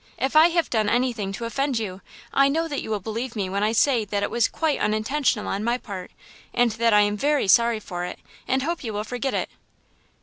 If I have done anything to offend you, I know that you will believe me when I say that it was quite unintentional on my part and that I am very sorry for it, and hope you will forget it."